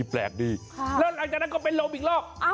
แปลกดีแล้วหลังจากนั้นก็เป็นลมอีกรอบ